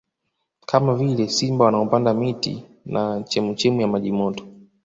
Kama vile simba wanaopanda miti na chemuchemu ya maji moto